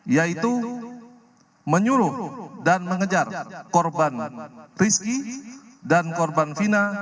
yaitu menyuruh dan mengejar korban rizki dan korban fina